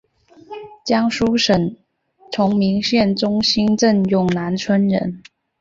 江苏省崇明县中兴镇永南村人。